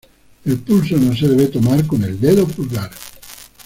El pulso no se debe tomar con el dedo pulgar.